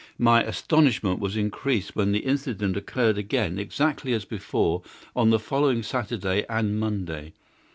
My astonishment was increased when the incident occurred again, exactly as before, on the following Saturday and Monday.